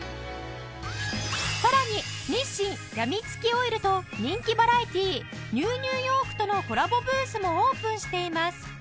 さらに日清やみつきオイルと人気バラエティー『ＮＥＷ ニューヨーク』とのコラボブースもオープンしています